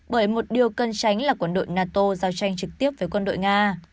bởi một điều cần tránh là quân đội nato giao tranh trực tiếp với quân đội nga